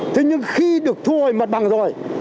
thế nhưng khi được thu hồi mặt bằng rồi